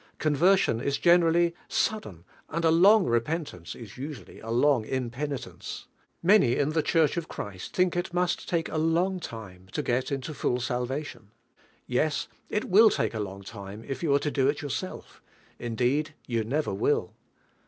Conversion is gener ally sudden anil a long repentance is usu ally a long impenitence. Many io tie Clmrcl) of Christ think it must take a Icui ' lime to gel inlo full salvation. Yes, il will take a long time if you are to do il yourself inured, you never will.